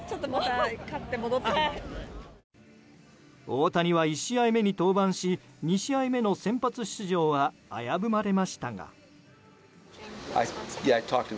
大谷は１試合目に登板し２試合目の先発出場は危ぶまれましたが。